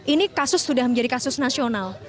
ini kasus sudah menjadi kasus nasional